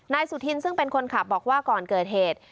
สุธินซึ่งเป็นคนขับบอกว่าก่อนเกิดเหตุ